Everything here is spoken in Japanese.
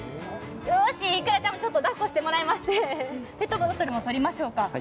よーし、いくらちゃん抱っこしてもらいまして、ペットボトルも取りましょうか。